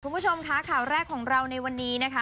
คุณผู้ชมค่ะข่าวแรกของเราในวันนี้นะคะ